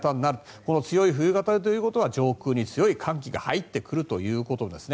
この強い冬型ということは上空に強い寒気が入ってくるということですね。